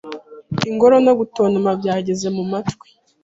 Ingoro no gutontoma byageze mu matwi